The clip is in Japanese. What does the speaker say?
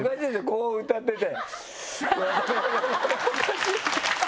こう歌ってて。